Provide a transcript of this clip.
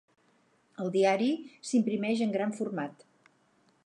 El diari s'imprimeix en gran format.